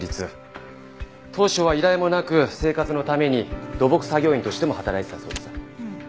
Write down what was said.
当初は依頼もなく生活のために土木作業員としても働いてたそうです。